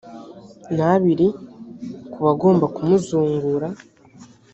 n abiri ku bagomba kumuzungura